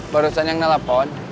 barusan yang telpon